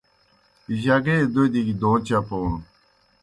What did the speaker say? جگے دوْدوْگیْ دوں چپون